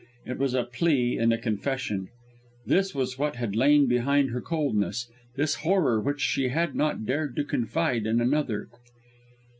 It was a plea and a confession. This was what had lain behind her coldness this horror which she had not dared to confide in another.